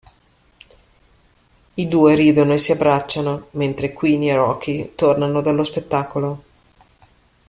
I due ridono e si abbracciano mentre Queenie e Rocky tornano dallo spettacolo.